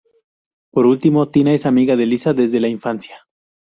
Por último, Tina es amiga de Lisa desde la infancia.